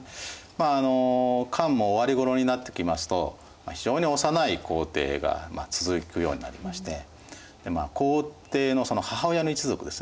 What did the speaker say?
まあ漢も終わりごろになってきますと非常に幼い皇帝が続くようになりまして皇帝のその母親の一族ですね